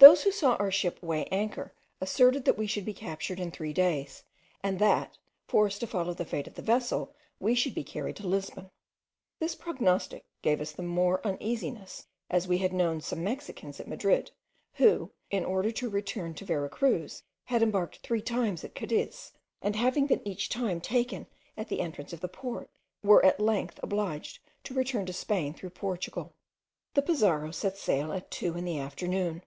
Those who saw our ship weigh anchor asserted that we should be captured in three days, and that, forced to follow the fate of the vessel, we should be carried to Lisbon. This prognostic gave us the more uneasiness, as we had known some Mexicans at Madrid, who, in order to return to Vera Cruz, had embarked three times at Cadiz, and having been each time taken at the entrance of the port, were at length obliged to return to Spain through Portugal. The Pizarro set sail at two in the afternoon.